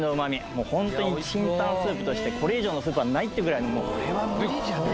もうホントにチンタンスープとしてこれ以上のスープはないってぐらいのこれは無理じゃないの？